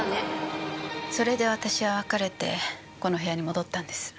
それで私は別れてこの部屋に戻ったんです。